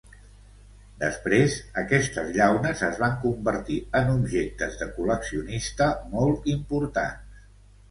Després, aquestes llaunes es van convertir en objectes de col·leccionista molt importants.